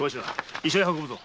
医者へ運ぶぞ。